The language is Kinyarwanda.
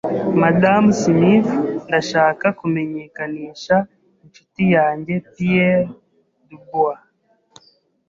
Madamu Smith, Ndashaka kumenyekanisha inshuti yanjye, Pierre Dubois.